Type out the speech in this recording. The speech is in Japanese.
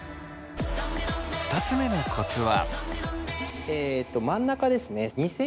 ２つ目のコツは。